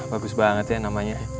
bagus banget ya namanya